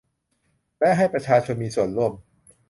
และให้ประชาชนมีส่วนร่วม